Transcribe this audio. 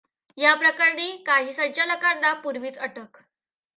या प्रकरणी काही संचालकांना पूर्वीच अटक.